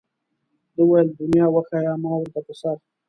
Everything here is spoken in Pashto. ده وویل دنیا وښیه ما ورته په سر.